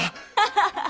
ハハハッ！